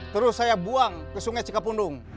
terus saya buang ke sungai cikapundung